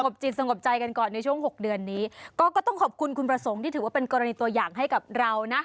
บจิตสงบใจกันก่อนในช่วงหกเดือนนี้ก็ก็ต้องขอบคุณคุณประสงค์ที่ถือว่าเป็นกรณีตัวอย่างให้กับเรานะ